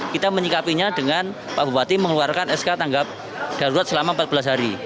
kita menyikapinya dengan pak bupati mengeluarkan sk tanggap darurat selama empat belas hari